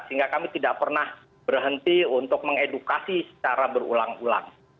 sehingga kami tidak pernah berhenti untuk mengedukasi secara berulang ulang